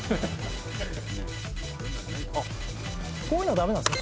こういうのは駄目なんですか？